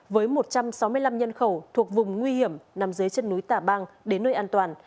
với một trăm sáu mươi năm nhân khẩu thuộc vùng nguy hiểm nằm dưới chân núi tả bang đến nơi an toàn